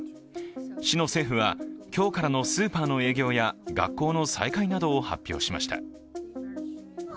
市の政府は今日からのスーパーの営業や学校の再開などを発表しました。